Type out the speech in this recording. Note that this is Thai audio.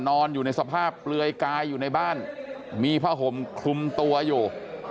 นอนอยู่ในสภาพเปลือยกายอยู่ในบ้านมีผ้าห่มคลุมตัวอยู่